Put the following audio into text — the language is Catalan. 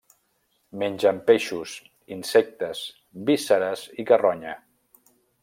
Mengen peixos, insectes, vísceres i carronya.